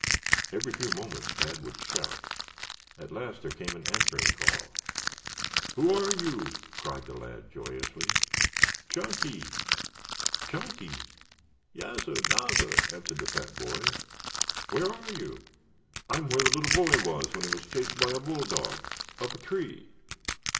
Every few moments Tad would shout. At last there came an answering call. "Who are you?" cried the lad joyously. "Chunky!" "Chunky?" "Yassir, nassir," answered the fat boy. "Where are you?" "I'm where the little boy was when he was chased by a bulldog up a tree."